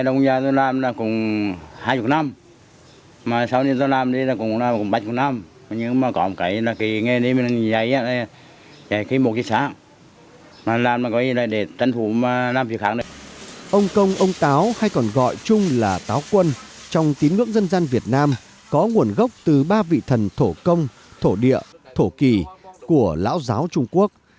ông công ông táo hay còn gọi chung là táo quân trong tín ngưỡng dân gian việt nam có nguồn gốc từ ba vị thần thổ công thổ địa thổ kỳ của lão giáo trung quốc